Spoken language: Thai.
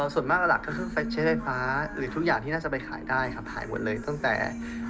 ส่วนมากหลักก็คือไปใช้ไฟฟ้าหรือทุกอย่างที่น่าจะไปขายได้ครับขายหมดเลยตั้งแต่